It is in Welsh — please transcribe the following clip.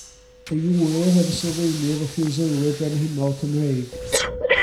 Ei ŵyr oedd sylfaenydd y Ffiwsilwyr Brenhinol Cymreig.